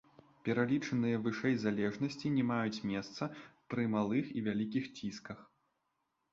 Пералічаныя вышэй залежнасці не маюць месца пры малых і вялікіх цісках.